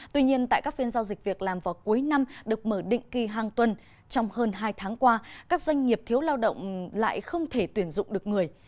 tuy nhiên tại các phiên giao dịch việc làm vào cuối năm được mở định kỳ hàng tuần trong hơn hai tháng qua các doanh nghiệp thiếu lao động lại không thể tuyển dụng được người